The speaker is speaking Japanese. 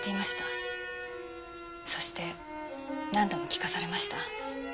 そして何度も聞かされました。